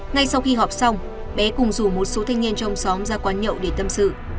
ngay sau khi họp xong bé cùng rủ một số thanh niên trong xóm ra quán nhậu để tâm sự